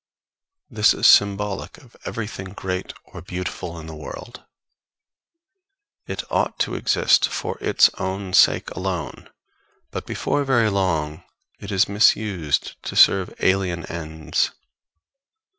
This is symbolic of everything great or beautiful in the world. It ought to exist for its own sake alone, but before very long it is misused to serve alien ends.